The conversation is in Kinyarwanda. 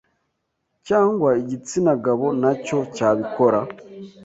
cyangwa igitsinagabo nacyo cyabikora